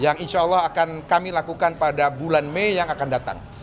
yang insya allah akan kami lakukan pada bulan mei yang akan datang